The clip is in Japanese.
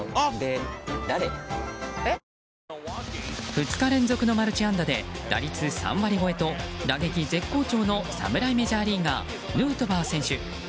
２日連続のマルチ安打で打率３割超えと打撃絶好調の侍メジャーリーガーヌートバー選手。